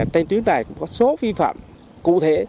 trên tuyến này có số vi phạm cụ thể